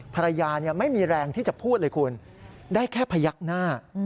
ภรรยาไม่มีแรงที่จะพูดเลยคุณได้แค่พยักหน้า